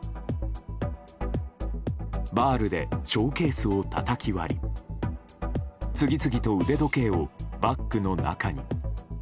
バールでショーケースをたたき割り次々と腕時計をバッグの中に。